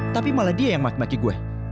tapi malah dia yang maki maki gue